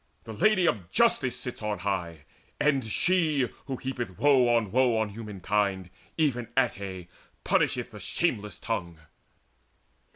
The Lady of Justice sits on high; and she Who heapeth woe on woe on humankind, Even Ate, punisheth the shameless tongue."